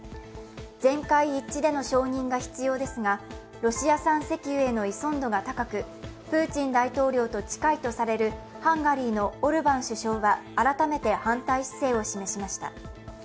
全会一致での承認が必要ですが、ロシア産石油への依存度が高く、プーチン大統領と近いとされるハンガリーのオルバン首相は改めて反対姿勢を示しました。